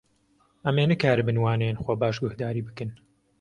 Em ê nikaribin waneyên xwe baş guhdarî bikin.